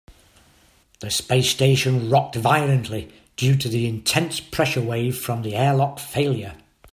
The space station rocked violently due to the intense pressure wave from the airlock failure.